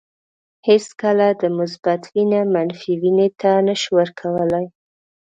هیڅکله د مثبت وینه منفي وینې ته نشو ورکولای.